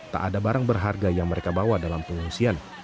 tak ada barang berharga yang mereka bawa dalam pengungsian